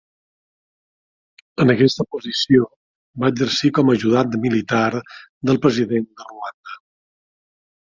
En aquesta posició, va exercir com a ajudant militar del president de Ruanda.